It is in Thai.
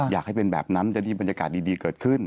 อยากให้เป็นแบบนั้นจะมีบรรยากาศดีเกิดขึ้น